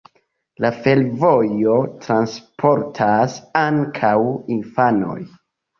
La fervojo transportas ankaŭ infanojn.